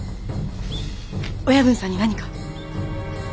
親分さんに何か？